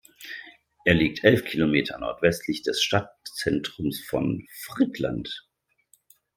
Er liegt elf Kilometer nordwestlich des Stadtzentrums von Frýdlant.